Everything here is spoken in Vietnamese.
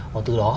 và từ đó